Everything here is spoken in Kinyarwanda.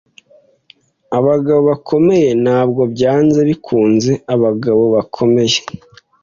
Abagabo bakomeye ntabwo byanze bikunze abagabo bakomeye.